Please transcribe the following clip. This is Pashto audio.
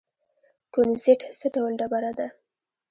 کونزیټ څه ډول ډبره ده؟